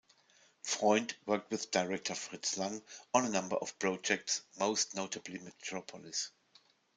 Freund worked with director Fritz Lang on a number of projects, most notably Metropolis.